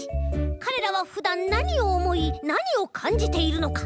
かれらはふだんなにをおもいなにをかんじているのか？